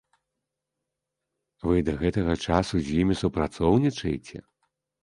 Вы да гэтага часу з імі супрацоўнічаеце?